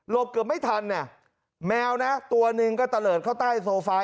เกือบไม่ทันเนี่ยแมวนะตัวหนึ่งก็ตะเลิศเข้าใต้โซฟา